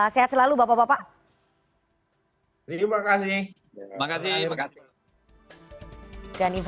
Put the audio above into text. sehat selalu bapak bapak